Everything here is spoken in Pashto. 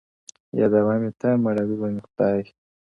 o يادوه مي ته، مړوي به مي خداى٫